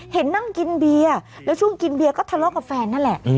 เห็นนั่งกินเบียร์แล้วช่วงกินเบียร์ก็ทะเลาะกับแฟนนั่นแหละ